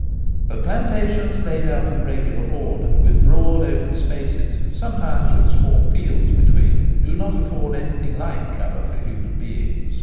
But plantations laid out in regular order with broad open spaces, sometimes with small fields between, do not afford anything like cover for human^beings.